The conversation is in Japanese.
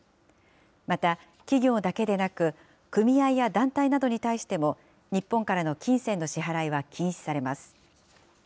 また、企業だけでなく、組合や団体などに対しても、日本からの金銭の支払いは禁止されます。